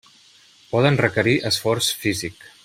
Poden requerir esforç físic.